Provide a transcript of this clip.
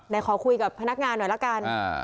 ขอคุยกับพนักงานหน่อยละกัน